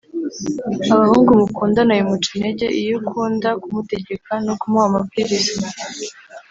Abahungu mukundana bimuca intege iyo ukunda kumutegeka no kumuha amabwiriza